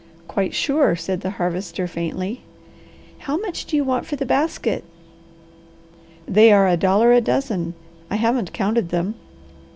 "Quite sure," said the Harvester faintly. "How much do you want for the basket?" "They are a dollar a dozen; I haven't counted them."